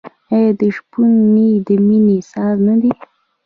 آیا د شپون نی د مینې ساز نه دی؟